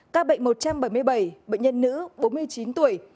các bệnh một trăm bảy mươi bảy bệnh nhân nữ bốn mươi chín tuổi